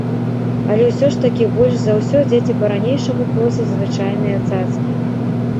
Але ўсё ж такі больш за ўсё дзеці па-ранейшаму просяць звычайныя цацкі!